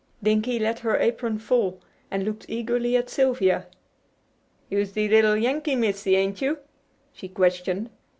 Dinkie let her apron fall and looked eagerly at Sylvia. "You'se the little Yankee missy, ain't you?" she questioned.